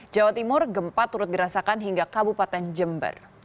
jawa timur gempa turut dirasakan hingga kabupaten jember